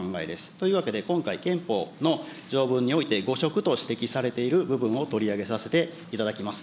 というわけで、今回、憲法の条文において誤植と指摘されている部分を取り上げさせていただきます。